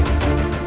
tapi musuh aku bobby